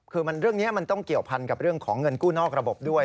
คือเรื่องนี้มันต้องเกี่ยวพันกับเรื่องของเงินกู้นอกระบบด้วย